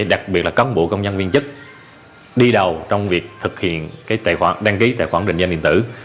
đặc biệt là các bộ công nhân viên chức đi đầu trong việc thực hiện đăng ký tài khoản định dân điện tử